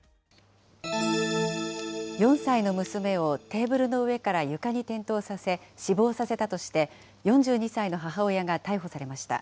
４歳の娘をテーブルの上から床に転倒させ、死亡させたとして、４２歳の母親が逮捕されました。